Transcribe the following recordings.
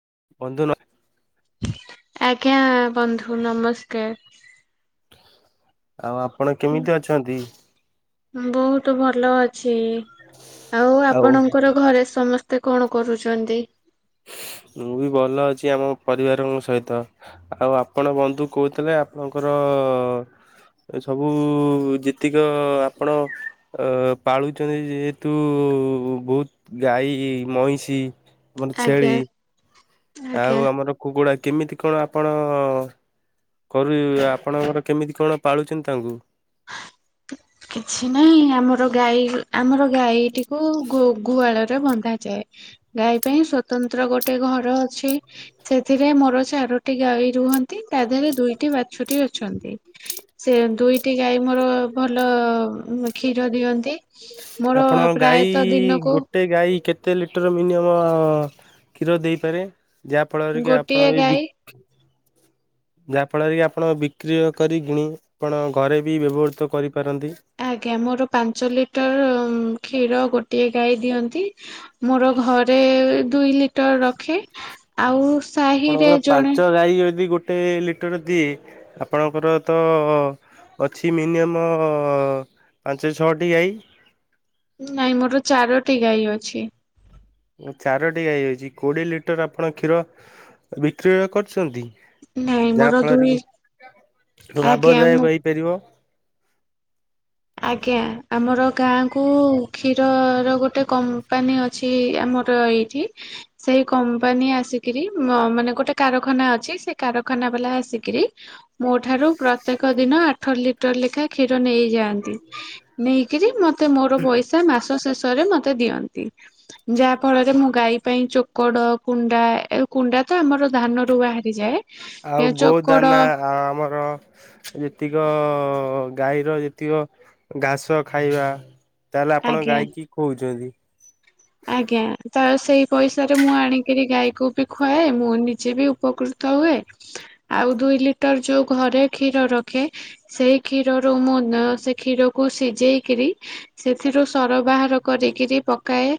[unintelligible] ଆଜ୍ଞା ବନ୍ଧୁ ନମସ୍କାର। ଆଉ ଆପଣ କେମିତି ଅଛନ୍ତି? ବହୁତ ଭଲ ଅଛି। ଇ ଆଉ ଆପଣଙ୍କର ଘରେ ସମ କଣ କରୁଛନ୍ତି? ମୁଁ ବି ଭଲ ଅଛି ଆମ ପରିବାରଙ୍କ ସହିତ ଆଉ ଆପଣ ବନ୍ଧୁ କହୁଥିଲେ ଆପଣଙ୍କର ସବୁ ଯେତିକ ଆପଣ ପାଳୁଛନ୍ତି ଯେହେତୁ ବହୁତ ଗାଈ ମଇଁଷି ମୋର ଛେଳି। ଆଜ୍ଞା ଆଜ୍ଞା। ଆଉ ଆମର କୁକୁ କେମିତି କଣ ଆପଣ କରୁ ଆପଣଙ୍କର କେମିତି କଣ ପାଳୁଛନ୍ତି ତାଙ୍କୁ? କିଛି ନାହିଁ ଆମର ଗାଈ ଆମର ଗାଈଟିକୁ ଗୁହାଳରେ ବନ୍ଧାଯାଏ ଗାଈ ପାଇଁ ସ୍ଵତନ୍ତ୍ର ଗୋଟେ ଘର ଅଛି ସେଥିରେ ମୋର ଚାରୋଟି ଗାଈ ରୁହନ୍ତି ତା ଦେହରେ ଦୁଇଟି ବାଛୁରୀ ଅଛନ୍ତି ସେ ଦୁଇ ଟି ଗାଈ ମୋର ଭଲ କ୍ଷୀର ଦିଅନ୍ତି। ମୋର ଆପଣ ଗାଈ ପ୍ରାୟତଃ ଦିନକୁ ଗୋଟେ ଗାଈ କେତେ ଲିଟର ମିନିମମ୍ କ୍ଷୀର ଦେଇପାରେ? ଯାହା ଫଳରେ କି ଆପଣ ଗୋଟିଏ ଏଇ ବି ଗାଈ ଯାହା ଫଳରେ କି ଆପଣ ବିକ୍ରି କରି କିଣି ଆପଣ ଘରେ ବି ବ୍ୟବହୃତ କରିପାରନ୍ତି। ଆଜ୍ଞା ମୋର ପାଞ୍ଚ ଲିଟର କ୍ଷୀର ଗୋଟିଏ ଗାଈ ଦିଅନ୍ତି। ମୋର ଘରେ ଦୁଇ ଟର ରଖେ। ଆଉ ସାହିରେ ଆପଣଙ୍କର ଜଣେ ପାଞ୍ଚ ଗାଈ ଯଦି ଗୋଟେ ଲିଟର ଦିଏ ଆପଣଙ୍କର ତ ଅଛି ମିନିମମ୍ ପାଞ୍ଚ ଛଅଟି ଗାଈ। ନାଇଁ ମୋର ଚାରୋଟି ଗାଈ ଅଛି। ଚାରୋଟି ଗାଈ ଅଛି। କୋଡିଏ ଲିଟର ଆପଣ କ୍ଷୀର ବିକ୍ରି କରୁଛନ୍ତି। ନାଇଁ ମୋର ଯାହା ଫଳରେ ଦୁଇ କି ଆଜ୍ଞା ମୁଁ ଲାଭଦାୟକ ହେଇପାରିବ। ଆଜ୍ଞା, ଆମର ଗାଁ କୁ କ୍ଷୀରର ଗୋଟେ କମ୍ପାନୀ ଅଛି। ଆମର ଏଇଠି ସେଇ କମ୍ପାନୀ ଆସିକିରି ମାନେ ଗୋଟେ କାରଖାନା ଅଛି। ସେ କାରଖାନା ବାଲା ଆସିକିରି ମୋଠାରୁ ପ୍ରତ୍ୟେକ ଦିନ ଆଠ ଲିଟର ଲେଖା କ୍ଷୀର ନେଇଯାଆନ୍ତି। ନେଇକିରି ମୋର ପଇସା ମାସ ଶେଷ ରେ ମତେ ଦିଅନ୍ତି। ଯାହା ଫଳରେ ମୁଁ ଗାଈ ପାଇଁ ଚୋକଡ଼ କୁଣ୍ଡା, କୁଣ୍ଡା ତ ଆମର ଧାନରୁ ବାହାରିଯାଏ। ଏ ଆଉ ଗୋ ଚୋକଡ ଦାନା ଆ ଆମର ଯେତିକ ଗାଈର ଯେତିକ ଘାସ ଖାଇବା। ତାହେଲେ ଆପଣ ଆଜ୍ଞା ଗାଈକି ଖଉଛନ୍ତି। ଆଜ୍ଞା ତ ସେଇ ପଇସାରେ ମୁଁ ଆଣିକିରି ଗାଈକୁ ବି ଖୁଆଏ। ମୁଁ ନିଜେ ବି ଉପକୃତ ହୁଏ। ଆଉ ଦୁଇ ଲିଟର ଯୋଉ ଘରେ କ୍ଷୀର ରଖେ ସେଇ କ୍ଷୀରରୁ ମୁଁ ସେ କ୍ଷୀରକୁ ସିଝେଇକିରି ସେଥିରୁ ସର ବାହାର କରିକିରି ପକାଏ।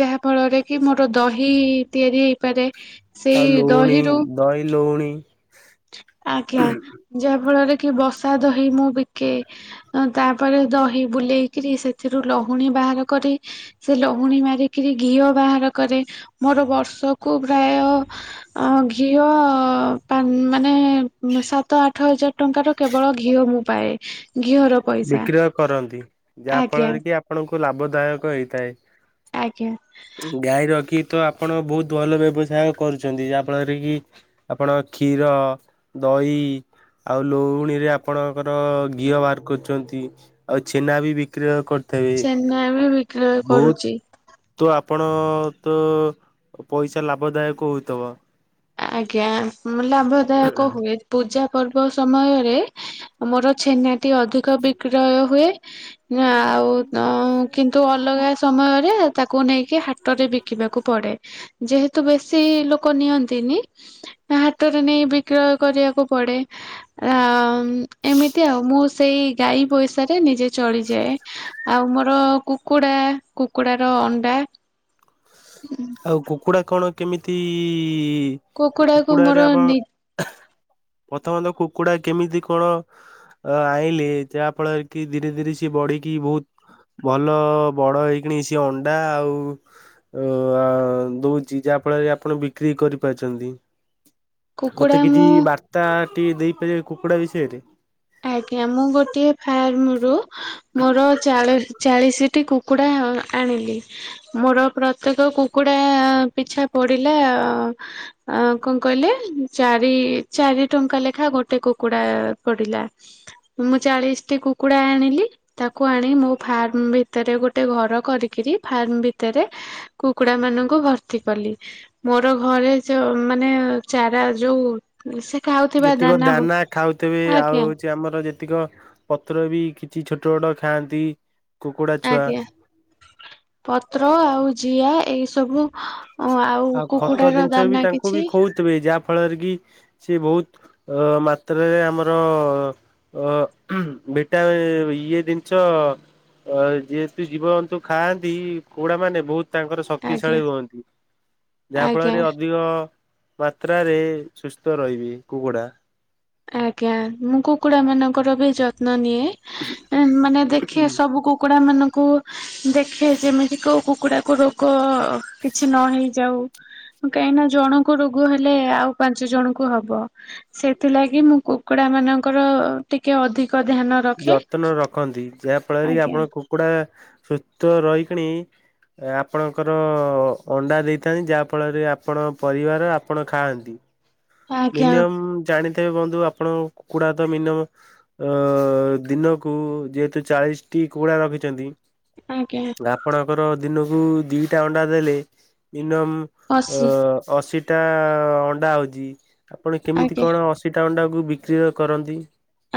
ଯାହା ଫଳରେ କି ମୋର ଦହି ତିଆରି ହେଇପାରେ। ସେଇ ଆଉ ଲୁଉଣୀ, ଦହିରୁ ଦହିଲୁଉଣୀ। [unintelligible] ଆଜ୍ଞା, ଯାହା ଫଳରେ କି ବସା ଦହି ମୁଁ ବିକେ ତାପରେ ଦହି ବୁଲେଇକରି, ସେଥିରୁ ଲହୁଣୀ ବାହାର କରି, ସେ ଲହୁଣୀ ମାରିକିରି ଘିଅ ବାହାର କରେ ମୋର ବର୍ଷକୁ ପ୍ରାୟ ଘିଅ ମାନେ ସାତ ଆଠ ହଜାର। ଟଙ୍କା ତ କେବଳ ଘିଅ ମୁଁ ପାଏ। ଘିଅର ପଇସା ବିକ୍ରୟ କରନ୍ତି, ଯାହା ଆଜ୍ଞା ଫଳରେ କି ଆପଣଙ୍କୁ ଲାଭଦାୟକ ହେଇଥାଏ। ଆଜ୍ଞା ଗାଈ ରଖି ତ ଆପଣ ବହୁତ ଭଲ ବ୍ୟବସାୟ କରୁଛନ୍ତି। ଯାହାଫଳରେ କି ଆପଣ କ୍ଷୀର, ଦହି, ଆଉ ଲହୁଣୀରେ ଆପଣ ତାଙ୍କର ଘିଅ ବା ଚନ୍ତି ଆଉ ଛେନା ବି ବିକ୍ରି କରୁ ଛେନା ବି ବିକ୍ରୟ କରୁଛି। ତ ଆପଣ ତ ପଇସା ଲାଭଦାୟକ ହୋଇଥିବ? ଆଜ୍ଞା। ଲାଭଦାୟକ ହୁଏ ପୂଜା ପର୍ବ ସମୟରେ ମୋର ଛେନାଟି ଅଧିକ ବିକ୍ରୟ ହୁଏ। ନା ଆଉ କିନ୍ତୁ ଅଲଗା ସମୟରେ ତାକୁ ନେଇକି ହାଟ ରେ ବିକିବାକୁ ପଡେ। ଯେହେତୁ ବେଶୀ ଲୋକ ନିଅନ୍ତି ନି ହାଟରେ ନେଇ ବିକ୍ରୟ କରିବାକୁ ପଡେ ଆ ଏମିତି ଆଉ ମୁଁ ସେଇ ଗାଈ ପଇସାରେ ନିଜେ ଚଳିଯାଏ। ଆଉ ମୋର କୁକୁଡା କୁକୁଡାର ଅଣ୍ଡା। ଆଉ କୁ କୁକୁଡ଼ା କଣ କେମିତି କି କୁକୁଡାକୁ କୁକୁଡା ମୋର ରେ ଆପଣ ନି ପ୍ରଥମତ କୁକୁଡ଼ା କେମିତି କଣ ଆଣିଲେ ଯାହା ଫଳରେ କି ଧୀରେ ଧୀରେ ସିଏ ବଢିକି ବହୁତ ଭଲ ବଡ ହେଇକ ସିଏ ଅଣ୍ଡା ଆଉ ଅ ଦଉଛି ଯାହା ଫଳରେ ଆପଣ ବିକ୍ରି କରିପାରୁଛନ୍ତି। କୁକୁଡା ମତେ କିଛି ମୁଁ ବାର୍ତ୍ତା ଟିକେ ଦେଇପାରିବେ କୁକୁଡ଼ା ବିଷୟରେ? ଆଜ୍ଞା ମୁଁ ଗୋଟଏ ଫାର୍ମରୁ ମୋର ଚାଳିଶ ଚାଳିଶିଟି କୁକୁଡ଼ା ଆଣିଲି ମୋର ପ୍ରତ୍ୟେକ କୁକୁଡ଼ା ପିଛା ପଡ଼ିଲା କଣ କହିଲେ ଚାରି ଚାରି ଟଙ୍କା ଲେଖାଁ ଗୋଟେ କୁକୁଡ଼ା ପଡ଼ିଲା। ମୁଁ ଚାଳିଶଟି କୁକୁଡା ଆଣିଲି ତାକୁ ଆଣି ମୋ ଫାର୍ମ ଭିତରେ ଗୋଟେ ଘର କରିକିରି ଫାର୍ମ ଭିତରେ କୁକୁଡା ମାନଙ୍କୁ ଭର୍ତ୍ତି କଲି ମୋର ଘରେ ଯ ମାନେ ଚାରା ଯୋଉ ସେ ଖାଉଥିବା ଯେତିକ ଦାନା ଖାଉଥିବେ ଆଉ ଆଜ୍ଞା ହଉଛି ଆମର ଯେତେ ଯେତିକି ପତ୍ର ବି କିଛି ଛୋଟ ବଡ଼ ଖାଆନ୍ତି। କୁକୁଡା ଛୁଆ ଆଜ୍ଞା ପତ୍ର ଆଉ। ଜିଆ ଏଇସବୁ। ଓ ଆଉ ଖତ କୁକୁଡ ର ଜିନିଷ ବି ଦାନା ତାଙ୍କୁ ବି କିଛି। ଖୋଉଥିବେ ଯାହା ଫଳରେ କି ସେ ବହୁତ ମାତ୍ରାରେ ଆମର ଭିଟାଆଇଏ ଜିନିଷ ଯେହେତୁ ଜୀବଜନ୍ତୁ ଖାଆନ୍ତି କୁକୁଡ଼ାମାନୋନେ ବହୁତ ତାଙ୍କର ଆଜ୍ଞା ଶକ୍ତିଶାଳୀ ହୁଅନ୍ତି। ଯାହା ଆଜ୍ଞା ଫଳରେ ଅଧିକ ମାତ୍ରାରେ ସୁସ୍ଥ ରହିବି କୁକୁଡ଼ା। ଆଜ୍ଞା ମୁଁ କୁକୁଡା ମାନଙ୍କର ବି ଯତ୍ନ ନିଏ। ମାନେ ଦେଖେ ସବୁ କୁକୁଡା ମାନଙ୍କୁ କୁ। ଦେଖେ ଯେମିତି କୋଉ କ କୁକୁଡାକୁ ରୋଗ କିଛି ନ ହେଇଯାଉ କାହିଁକିନା ଜଣଙ୍କୁ ରୋଗ ହେଲେ ଆଉ ପାଞ୍ଚ ଜଣଙ୍କୁ ହବ ସେ ଥିଲା କି ମୁଁ କୁକୁଡ଼ା ମାନଙ୍କର ଟିକେ ଅଧିକ ଧ୍ୟାନ ରଖେ। ଯାହାଫଳରେ କି ଆଜ୍ଞା ଆପଣ କୁକୁଡ଼ା ସୁସ୍ଥ ରହିକିଣି ଆପଣଙ୍କର ଅଣ୍ଡା ଦେଇଥାନ୍ତି ଯାହା ଫଳରେ ଆପଣ ପରିବାର ଆପଣ ଖାଆନ୍ତି। ଆଜ୍ଞା ମିନି ଜାଣି ତ ତେବେ ବନ୍ଧୁ ଆପଣ କୁକୁଡ଼ା ତ ମିନିମମ୍ ଦିନକୁ ଯେହେତୁ ଚାଳିଶଟି କୁକୁଡ଼ା ରଖିଛନ୍ତି ଆଜ୍ଞା ଆପଣଙ୍କର ଦିନକୁ ଦିଟା ଅଣ୍ଡା ଦେଲେ ଇନମ୍ ଅଶୀ ଅଶ ଏଟା ଅଣ୍ଡା ହଉଛି ଆପଣ କେମିତି ଆଜ୍ଞା କଣ ଅଶୀ ଟାଙ୍କଣ୍ଡାକୁ ସକ୍ରିୟ କରନ୍ତି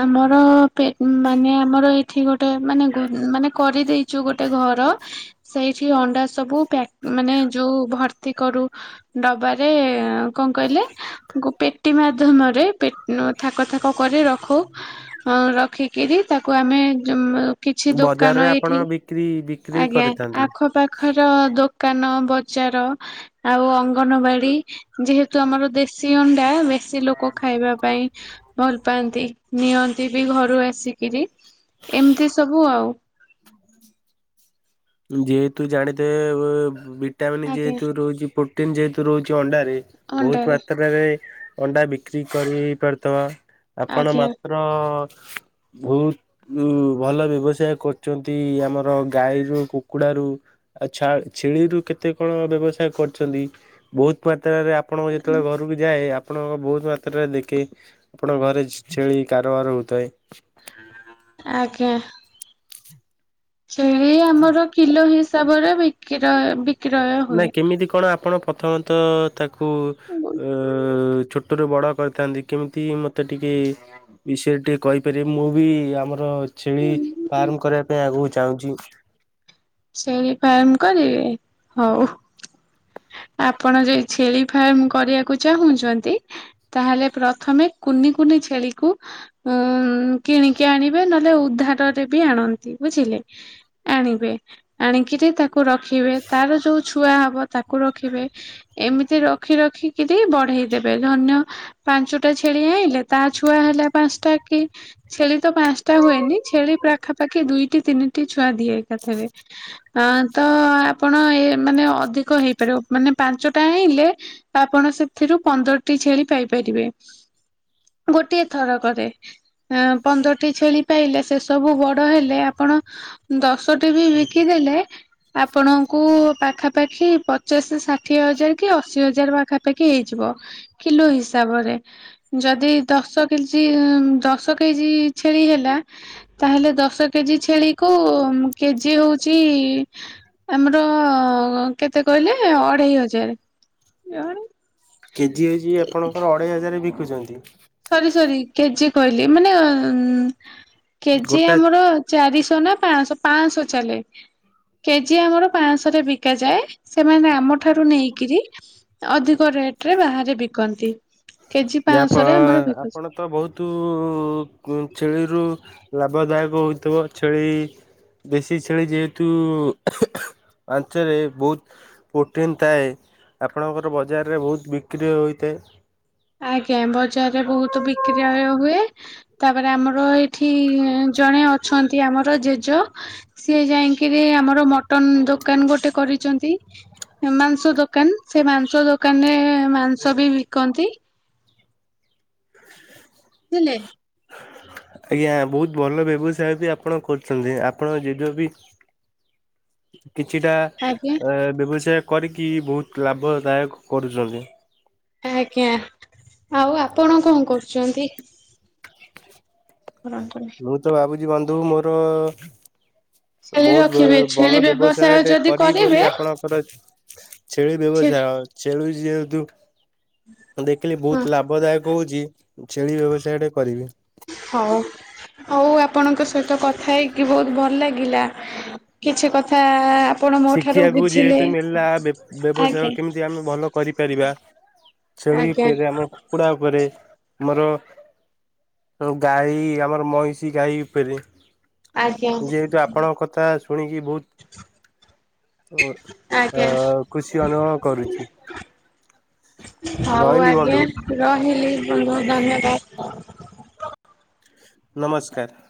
ଆମର ମାନେ ଆମର ଏ ଏଠି ଗୋଟେ ମାନେ ମାନେ କରିଦେଇ ଯୋଉ ଗୋଟେ ଘର ସେଇଠି ଅଣ୍ଡା ସବୁ ପ୍ୟାକ ମାନେ ଯୋଉ ଭର୍ତ୍ତି କରୁ ଡବାରେ କଣ କହିଲେ ପେଟି ମାଧ୍ୟମରେ ାକ ଥାକ କରି ରଖ ରି ତାକୁ ଆମେ କିଛି ବଜାରରେ ଦୋକାନ ଏଇଠି ଆପଣ ବିକ୍ରି ବିକ୍ରି ଆଜ୍ଞା କରିଥାନ୍ତି। ଆଖପାଖର ଦୋକାନ ବଜାର ଆଉ କନବାଡ଼ି ଯେହେତୁ ୁ ଆମର ଦେଶୀ ଅଣ୍ଡା ଚାସି ଲୋକ ଖାଇବା ପାଇଁ ଭଲ ପାଆନ୍ତି ନିଅନ୍ତି ବି ଘରୁ ଆସିକିରି ଏମିତି ସବୁ ଆଉ। ଯେହେତୁ ଜାଣିିତେ ଭିଟାମିନ୍ ଆଜ୍ଞା ଯେହେତୁ ରହୁଛି, ପ୍ରୋଟିନ ଯେହେତୁ ରହୁଛି ଅଣ୍ଡାରେ ବହୁତ ଅଣ୍ଡାରେ ମାତ୍ରାରେ ଅଣ୍ଡା ବିକ୍ରି କରିଇପାରୁଥିବ। ଆପଣ ଆଜ୍ଞା ମାତ୍ର ବହୁତ ଭଲ ବ୍ୟବସାୟ କରୁଛନ୍ତି ଆମର ଗାଈ ର କୁକୁଡ଼ାରୁ ଆଉ ଛ ଛେଳିରୁୁ କେତେ କଣ ବ୍ୟବସାୟ କରିୁଛନ୍ତି ବହୁତ ମାତ୍ ସେତେବେଳେ ଆପଣଙ୍କୁ ଯେତେବେଳେ ଘରକୁ ଯାଏ ଆପଣଙ୍କ ବହୁତ ମାତ୍ରାରେ ଦେଖି ଆପଣଙ୍କ ଘରେ ଛେଳି କାରବାର ହଉଥାଏ। ଆଜ୍ଞା। ଛେଳି ଆମର କିଲୋ ହି ସାବରେ ବିକି ର ବି ନାଇଁ କେମିତି କଣ ଆପଣ ତନ୍ତ ତା କୁ ଉଁ ଛୋ ତଟ ବଡ଼ କରିଥାନ୍ତି କେମିତି ମତେ ଟିକେ ବିଷୟରେ ଟିକେ କହିପାରିବେ ମୁଁ ବି ଆମର ଛେଳି ଫାର୍ମ କରିବା ପାଇଁ ଆଗୁ ଚାହୁଁଛି। ଛେଳି ଫାର୍ମ କରିବେ ହଉ। ଆପଣ ଯଦି ଛେଳି ଫାର୍ମ କରିବାକୁ ଚାହୁଁଛନ୍ତି ତାହେଲେ ପ୍ରଥମେ କୁନି କୁନି ଛେଳିକୁ ଉ କିଣିକି ଆଣିବେ ନହେଲେ ଉଦ୍ଧାରରେ ବି ଆଣନ୍ତି ବୁଝିଲେ, ଆଣିବେ। ଆଣିକିରି ତାକୁ କୁ ରଖିବେ ତାର ଯୋଉ ଛୁଆ ହବ ତାକୁ ରଖିବେ ଏମିତି ରଖି ରଖିକରି ବଢେଇ ଦେବେ ଧନ୍ୟ ପାଞ୍ଚଟା ଛେଳି ଆଇଲେ ତା ଛୁଆ ହେଲା ପାଞ୍ଚଟା କି ଛେଳି ତ ପାଞ୍ଚଟା ହୁଏନି ଛେଳି ପାଖାପାଖି ଦୁଇଟି ତିନିଟି ଛୁଆ ଦିଏ ଏକାଥରେ। ଅ ତ ଆପଣ ଏ ମାନେ ଅଧିକ ହେଇପାରିବ ମାନେ ପାଞ୍ଚଟା ହେଇଲେ ଆପଣ ସେଥିରୁ ପନ୍ଦରଟି ଛେଳି ପାଇପାରିବେ ଗୋଟିଏ ଥର କରେ, ପନ୍ଦରଟି ଛେଳି ପାଇଲେ ସେ ସବୁ ବଡ ହେଲେ ଆପଣ ଦଶଟି ବି କିଦେଲେ ଆପଣଙ୍କୁ ପାଖାପାଖି ପଚାଶ ଷାଠିଏ ହଜାର କି ଅଶି ହଜାର ପାଖାପାଖି ହେଇଯିବ କିଲୋ ହିସାବରେ। ଯଦି ଦଶ କେଜି ଦଶ କେଜି ଛେଳି ହେଲା ତାହେଲେ ଦଶ କେଜି ଛେଳିକୁ କେଜି ହଉ ଛି ଆମର କେତେ କହିଲେ ଅଢେଇ ହଜାର। [inaudible] କେଜି ହେଉଛି ଆପଣଙ୍କର ଅଢେଇଜାର ବିକ ଶଖୁଛନ୍ତି। ସରି ସରି କେଜିି କହିଲି ମାନେ ଉ କେଜି ଗୋଟା ଆମର ଚାରିଶହ। ପାଂଶ ପାଂଶ ଚାଲେ କେଜି ଆମର ପାଂଶ ରେ ବିକାଯାଏ। ସେମାନେ ଆମ ଠାରୁ ନେଇକିରି ଅଧିକ ରେଟରେ ବାହାରେ ବିକନ୍ତି। କେଜି ପାଆଁ ଅ ଆପଣ ତ ବହୁତ ଛେଳିରୁ ଲାଭଦାୟକ ହୋଇଥିବ ଛେଳି ଦେଶୀ ଛେଳି ଯେହେତୁ ଆଞ୍ଚରେ ବହୁତ ପ୍ରୋଟିନ୍ ଥାଏ ଆପଣଙ୍କର ବଜାରରେ ବହୁତ ବିକ୍ରି ହୋଇଥାଏ। ଆଜ୍ଞା ବଜାରରେ ବହୁତ ବିକ୍ରି ଆଜ୍ଞା ହୁଏ। ତାପରେ ଆମର ଏଠି ଜଣେ ଅଛନ୍ତି ଆମର ଜେଜ ସିଏ ଯାଇକିରି ଆମର ମଟନ ଦୋକାନ ଗୋଟେ କରିଚନ୍ତି ମାଂସ ଦୋକାନ ସେ ମାଂସ ଦୋକାନ ରେ ମାଂସ ବି ବିକନ୍ତି। ବୁଝିଲେ। ଆଜ୍ଞା ବହୁତ ଭଲ ବ୍ୟବସାୟ ବି ଆପଣ କରୁଛନ୍ତି ଆପଣ ଯେବେ ବି କିଛିଟା ଆଜ୍ଞା ବ୍ୟବସାୟ କରିକି ବହୁତ ଲାଭଦାୟକ କରୁଛନ୍ତି। ଆଜ୍ଞା ଆଉ ଆପଣ କଣ କରୁଚନ୍ତି? କରନ୍ତୁନି। ମୁଁ ତ ଭାବୁଛି ବନ୍ଧୁ ମୋର ଛେଳି ବହୁତ ରଖିବେ ଛେଳି ଭଲ ବ୍ୟବସାୟ ବ୍ୟବସାୟଟେ ଯଦି କରି କରିବେ ବୋଲି ଆପଣଙ୍କର ଛେଳି ଛେ ବ୍ୟବସାୟ ଛେଳି ଯେ ଦୁ ମୁଁ ଦେଖିଲି ହଁ ବହୁତ ଲାଭଦାୟକ ହଉଚି। ଛେଳି ବ୍ୟବସାୟ ଟେ କରିବି। ହଉ ହଉ ଆପଣଙ୍କ ସହିତ କଥା ହେଇକି ବହୁତ ଭଲ ଲାଗିଲା କିଛି କଥା ଆପଣ ମୋ ଠାରୁ ଶିଖିବାକୁ ବୁଝିଲେ ଯେହେତୁ ମିଳିଲା ବେ ଆଜ୍ଞା। ବ୍ୟବସାୟ କେମିତି ଆମେ ଭଲ କରିପାରିବା ଛେଳି ଆଜ୍ଞା ଉପରେ ଆମ କୁକୁଡା ଉପରେ ଆମର ଗାଈ ଆମର ମଇଁଷି ଗାଈ ଉପରେ ଆଜ୍ଞା ଯେହେତୁ ଆପଣଙ୍କ କଥା ଶୁଣିକି ବହୁତ ଓ ଅ ଆଜ୍ଞା ଖୁସି ଅନୁଭବ କରୁଚି। ହଉ ଆଜ୍ଞା ରହିଲି। ବହୁତ ଧନ୍ୟବାଦ। [inaudible] ନମସ୍କାର।